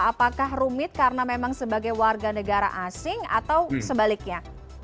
apakah rumit karena memang sebagai warga negara asing atau sebaliknya